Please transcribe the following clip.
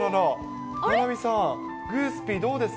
菜波さん、グースピー、どうです？